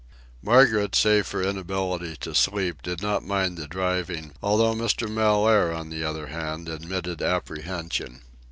Margaret, save for inability to sleep, did not mind the driving, although Mr. Mellaire, on the other hand, admitted apprehension.